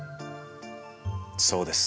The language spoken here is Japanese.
そうです。